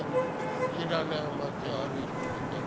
『知らない街を歩いてみたい